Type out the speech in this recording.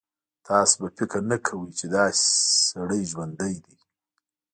تاسو به فکر نه کوئ چې داسې سړی ژوندی دی.